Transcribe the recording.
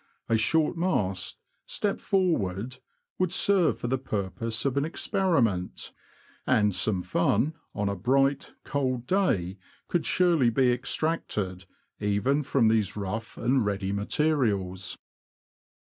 A short mast, stepped for ward, would serve for the purpose of an experiment, and some fun, on a bright, cold day, could surely be ex tracted, even from these rough and ready materials.